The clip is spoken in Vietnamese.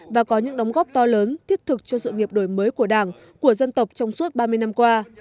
và có những đóng góp to lớn thiết thực cho sự nghiệp đổi mới của đảng của dân tộc trong suốt ba mươi năm qua